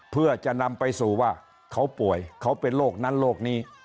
เพื่อจะนำไปสู่ว่าเขาป่วยเขาเป็นโรคนั้นโรคนี้